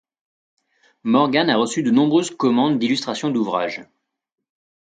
Morgan a reçu de nombreuses commandes d'illustrations d'ouvrages.